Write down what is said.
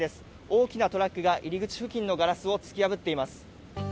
大きなトラックが入り口付近のガラスを突き破っています。